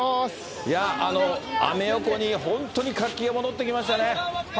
いや、アメ横に本当に活気が戻ってきましたね。